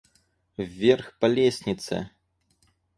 Вверх по лестнице.